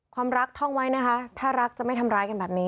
ความรักท่องไว้นะคะถ้ารักจะไม่ทำร้ายกันแบบนี้